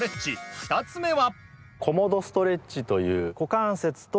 ２つ目は。